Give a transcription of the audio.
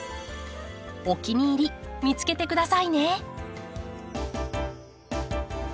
お気に入り見つけてくださいね。